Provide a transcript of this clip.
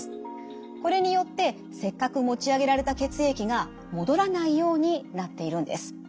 これによってせっかく持ち上げられた血液が戻らないようになっているんです。